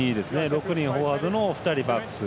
６人フォワードの２人バックス。